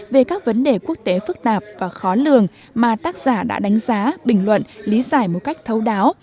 về các vấn đề quốc tế phức tạp và khó lường mà tác giả đã đánh giá bình luận lý giải một cách thấu đáo